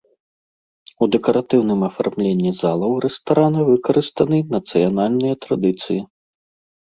У дэкаратыўным афармленні залаў рэстарана выкарыстаны нацыянальныя традыцыі.